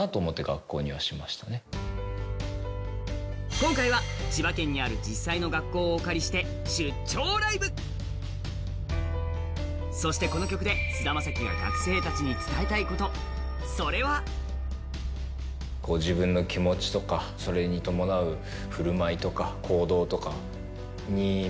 今回は千葉県にある実際の学校をお借りして、「出張ライブ！」。そしてこの曲で菅田将暉が学生たちに伝えたいこと、それは菅田将暉の「出張ライブ！ライブ！」スタート！